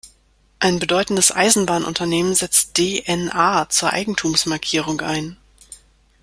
Ein bedeutendes Eisenbahnunternehmen setzt D N A zur Eigentumsmarkierung ein.